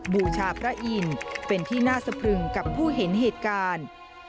บูชาพระอินทร์เป็นที่น่าสะพรึงกับผู้เห็นเหตุการณ์